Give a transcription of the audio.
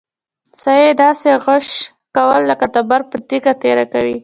سا يې داسې غژس کوه لک تبر په تيږه تېره کوې.